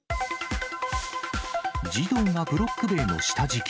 児童がブロック塀の下敷き。